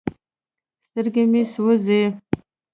سترګې مې سوزي ـ